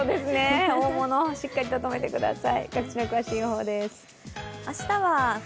大物、しっかりととめてください